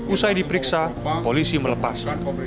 usai diperiksa polisi melepas